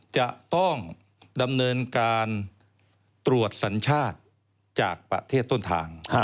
จะต้องดำเนินการตรวจสัญชาติจากประเทศต้นทาง